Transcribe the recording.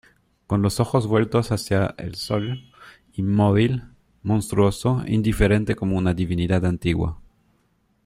con los ojos vueltos hacia el sol, inmóvil , monstruoso , indiferente como una divinidad antigua.